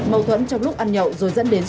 mâu thuẫn trong lúc ăn nhậu rồi dẫn đến